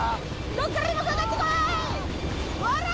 どっからでもかかってこいおら！